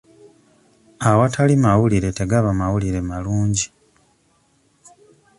Awatali mawulire tegaba mawulire malungi.